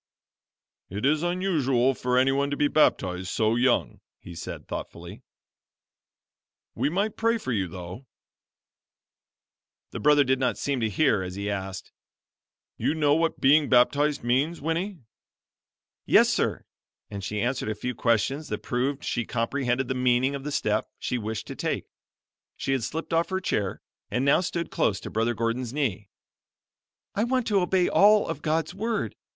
"It is unusual for anyone to be baptized so young," he said, thoughtfully, "We might pray for you though." The brother did not seem to hear as he asked, "You know what being baptized means, Winnie?" "Yes sir"; and she answered a few questions that proved she comprehended the meaning of the step she wished to take. She had slipped off her chair, and now stood close to Brother Gordon's knee. "I want to obey all of God's Word.